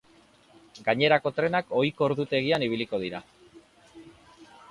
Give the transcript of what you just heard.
Gainerako trenak ohiko ordutegian ibiliko dira.